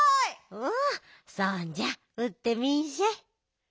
おおそんじゃうってみんしゃい。